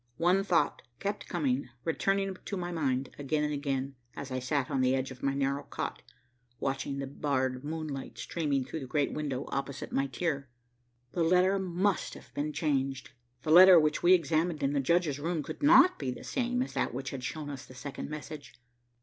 One thought kept coming, returning to my mind again and again, as I sat on the edge of my narrow cot, watching the barred moonlight streaming through the great window opposite my tier. The letter must have been changed. The letter which we examined in the judge's room could not be the same as that which had shown us the second message.